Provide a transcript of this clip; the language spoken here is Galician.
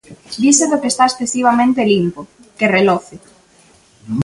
Dise do que está excesivamente limpo, que reloce.